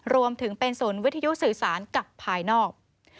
รวมถึงเป็นศูนย์วิทยุสื่อสารกับภายนอก